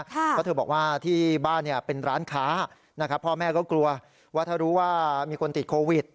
เพราะเธอบอกว่าที่บ้านเป็นร้านค้านะครับพ่อแม่ก็กลัวว่าถ้ารู้ว่ามีคนติดโควิด